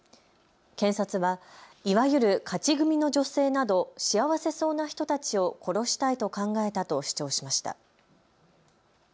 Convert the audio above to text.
検察は、いわゆる勝ち組の女性など幸せそうな人たちを殺したいと考えたと主張しました。